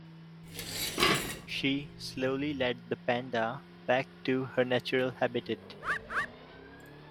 She slowly led the panda back to her natural habitat.